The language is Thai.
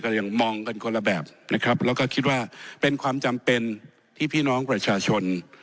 ยังมองกันคนละแบบนะครับแล้วก็คิดว่าเป็นความจำเป็นที่พี่น้องประชาชน